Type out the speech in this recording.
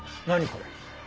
これ。